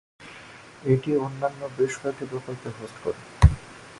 এটি অন্যান্য বেশ কয়েকটি প্রকল্পের হোস্ট করে।